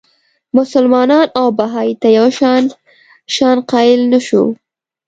مسلمان او بهايي ته یو شان شأن قایل نه شو.